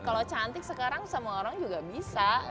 kalau cantik sekarang semua orang juga bisa